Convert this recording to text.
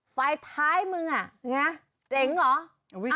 ไฟท้ายมึงอ่ะเจ๋งเหรอ